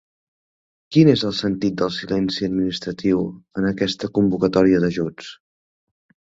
Quin és el sentit del silenci administratiu en aquesta convocatòria d'ajuts?